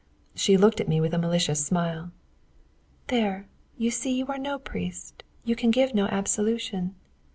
She looked at me with a malicious smile. "There, you see you are no priest, and can give no absolution."